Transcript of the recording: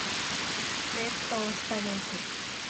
เลปโตสไปโรซิส